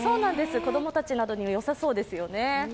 子供たちなどにもよさそうですよね。